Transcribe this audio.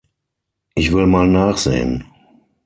Ich will mal nachsehen.